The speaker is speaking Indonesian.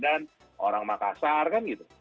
orang medan orang makassar kan gitu